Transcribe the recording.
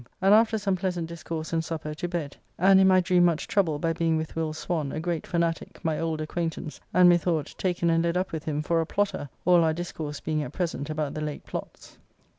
And after some pleasant discourse and supper to bed, and in my dream much troubled by being with Will. Swan, a great fanatic, my old acquaintance, and, methought, taken and led up with him for a plotter, all our discourse being at present about the late plots.